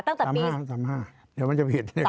ตั้งแต่๓๕๓๕เดี๋ยวมันจะผิด